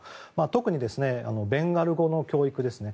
特にベンガル語の教育ですね。